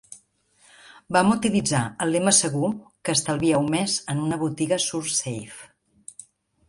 Van utilitzar el lema Segur que estalvieu més en una botiga ShurSave.